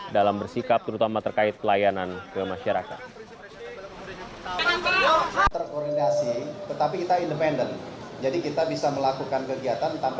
dalam bersikap terutama terkait pelayanan ke masyarakat